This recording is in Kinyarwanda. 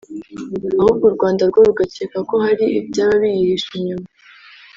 ahubwo u Rwanda rwo rugakeka ko hari ibyaba biyihishe inyuma